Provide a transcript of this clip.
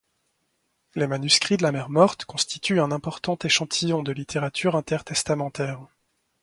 Les manuscrits de la mer Morte constituent un important échantillon de littérature intertestamentaire.